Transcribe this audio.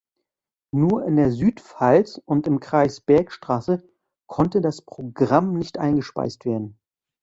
Nur in der Südpfalz und im Kreis Bergstraße konnte das Programm nicht eingespeist werden.